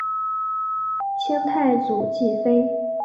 清太祖继妃。